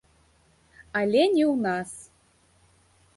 Але не ў нас.